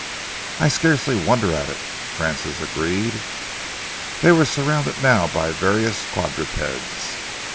"I scarcely wonder at it," Francis agreed. They were surrounded now by various quadrupeds.